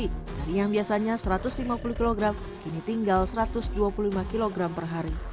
dari yang biasanya satu ratus lima puluh kg kini tinggal satu ratus dua puluh lima kg per hari